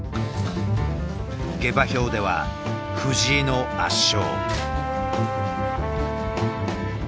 下馬評では藤井の圧勝。